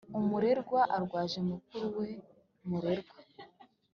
umurerwa arwaje mukuruwe murerwa